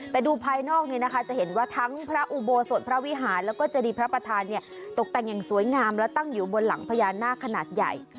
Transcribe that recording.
แต่ดูภายนอกจะเห็นว่าทั้งพระอุโบสถพระวิหารแล้วก็เจดีพระประธานตกแต่งอย่างสวยงามและตั้งอยู่บนหลังพญานาคขนาดใหญ่